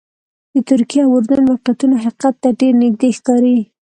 د ترکیې او اردن موقعیتونه حقیقت ته ډېر نږدې ښکاري.